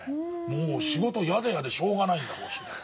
もう仕事嫌で嫌でしょうがないんだもん。